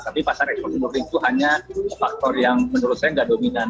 tapi pasar ekspor itu hanya faktor yang menurut saya nggak dominan